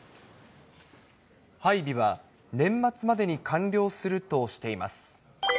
配備は年末までに完了するとしています。